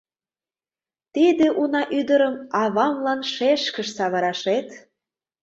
Тиде уна ӱдырым авамлан шешкыш савырашет!